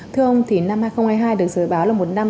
thưa ông thì năm hai nghìn hai mươi hai được dự báo là một năm